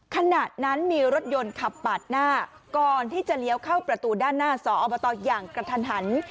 ขณะนั้นมีรถยนต์ขับปาดหน้าก่อนที่จะเลี้ยวเข้าประตูด้านหน้าสอบตอย่างกระทันหัน